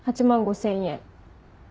８万５０００円。